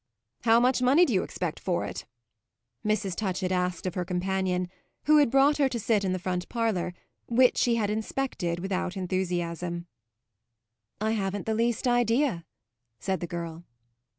"How much money do you expect for it?" Mrs. Touchett asked of her companion, who had brought her to sit in the front parlour, which she had inspected without enthusiasm. "I haven't the least idea," said the girl.